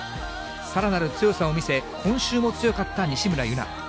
さらなる強さを見せ、今週も強かった西村優菜。